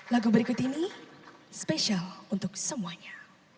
lagu berikut ini spesial untuk semuanya